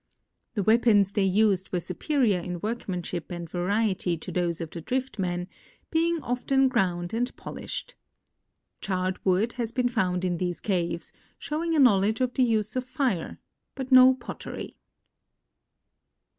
The weapons they used were superior in workmansiiij) and variety to those of the Drift men, being often ground and polished. Charred wood has been found in these caves, show ing a knowledge of the use of fire, but no pottery.